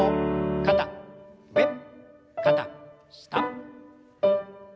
肩上肩下。